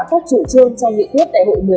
với tuyển xây dựng và thiện hai dự án luật này